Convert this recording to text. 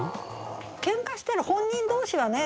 ケンカしてる本人同士はね